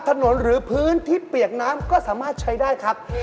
หรือพื้นที่เปียกน้ำก็สามารถใช้ได้ครับ